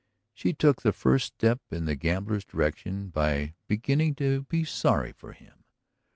. she took the first step in the gambler's direction by beginning to be sorry for him.